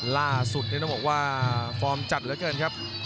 ล่าสุดนี่ต้องบอกว่าฟอร์มจัดเหลือเกินครับ